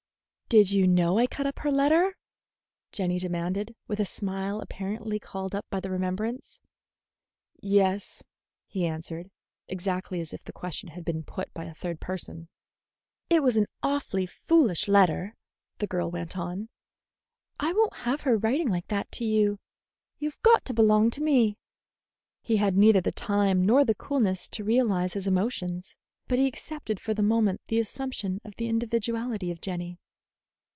"Did you know I cut up her letter?" Jenny demanded, with a smile apparently called up by the remembrance. "Yes," he answered, exactly as if the question had been put by a third person. "It was an awfully foolish letter," the girl went on. "I won't have her writing like that to you. You've got to belong to me." He had neither the time nor the coolness to realize his emotions, but he accepted for the moment the assumption of the individuality of Jenny.